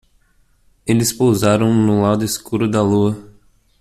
Eles pousaram no lado escuro da lua.